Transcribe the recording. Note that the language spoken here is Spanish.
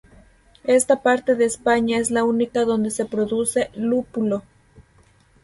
Esta parte de España es la única donde se produce Lúpulo.